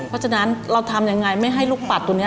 เพราะฉะนั้นเราทำยังไงไม่ให้ลูกปัดตัวนี้